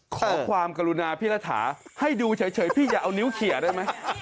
ขอความกรุณาพี่รัฐาให้ดูเฉยพี่อย่าเอานิ้วเขียได้ไหม